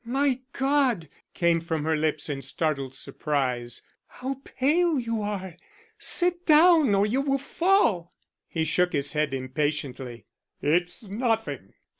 "My God!" came from her lips in startled surprise. "How pale you are! Sit down or you will fall." He shook his head impatiently. "It's nothing.